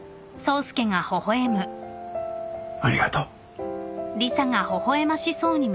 ありがとう。